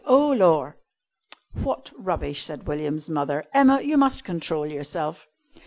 Oh, lor!" "What rubbish!" said William's mother. "Emma, you must control yourself!"